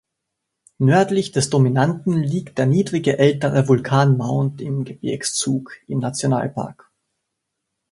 Nördlich des dominanten liegt der niedrigere ältere Vulkan Mount im -Gebirgszug im Nationalpark.